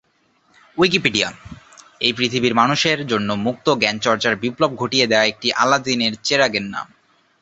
Wikipedia — এই পৃথিবীর মানুষের মধ্যে মুক্ত জ্ঞানচর্চার বিপ্লব ঘটিয়ে দেয়া একটি আলাদিনের চেরাগের নাম।